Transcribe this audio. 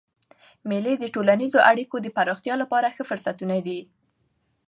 مېلې د ټولنیزو اړیکو د پراختیا له پاره ښه فرصتونه دي.